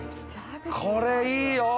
これいいよ。